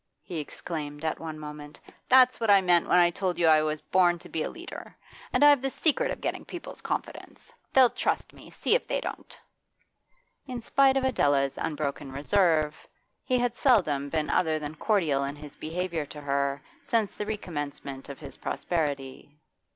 he exclaimed at one moment. 'That's what I meant when I told you I was born to be a leader. And I've the secret of getting people's confidence. They'll trust me, see if they don't!' In spite of Adela's unbroken reserve, he had seldom been other than cordial in his behaviour to her since the recommencement of his prosperity.